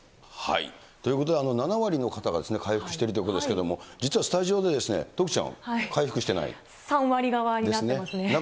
ということは、７割の方が回復しているということですけれども、実はスタジオで、徳ちゃん、３割側になっていますね。ですね。